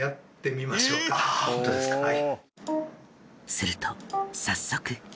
すると早速。